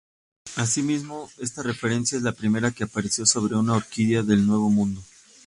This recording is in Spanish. Asimismo, esta referencia es la primera que apareció sobre una orquídea del Nuevo Mundo.